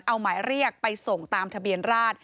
เอาหมายเรียกไปส่งตามทะเบียนราช